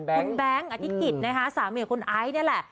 คุณแบงค์อธิกิจนะคะสามีคุณไอซ์นี่แหละ